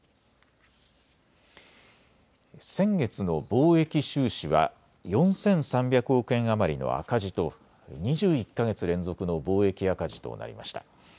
先月の貿易収支は４３００億円余りの赤字と２１か月連続の貿易赤字となりました。